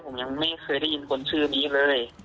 ผมยังไม่เคยได้ยินคนชื่อนี้เลย